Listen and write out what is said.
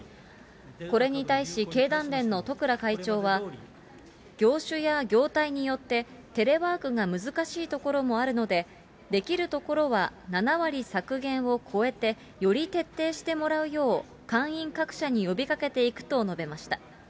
これに対し、経団連の十倉会長は、業種や業態によって、テレワークが難しい所もあるので、できるところは７割削減を超えて、より徹底してもらうよう、会員各社に呼びかけていくと述べました。